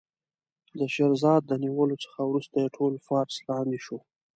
د شیراز د نیولو څخه وروسته یې ټول فارس لاندې شو.